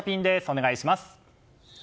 お願いします。